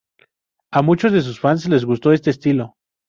A muchos de sus fans les gustó este estilo.